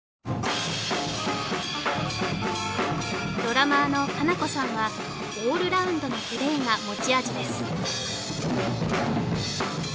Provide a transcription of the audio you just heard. ドラマーのＫａｎａｋｏさんはオールラウンドなプレーが持ち味です